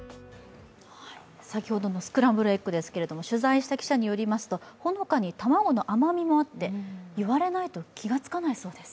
先ほどのスクランブルエッグですけれども取材した記者によりますとほのかに卵の甘みもあって言われないと気がつかないそうです。